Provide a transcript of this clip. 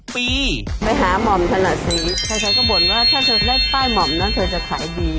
ปีไปหาหม่อมถนัดศรีใครก็บ่นว่าถ้าเธอได้ป้ายหม่อมนะเธอจะขายดี